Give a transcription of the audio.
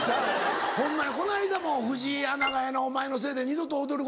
ホンマにこの間も藤井アナがお前のせいで二度と『踊る！